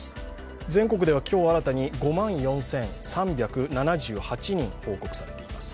全国では今日新たに５万４３７８人報告されています。